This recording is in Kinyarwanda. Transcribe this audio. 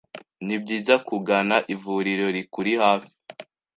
ni byiza kugana ivuriro rikuri hafi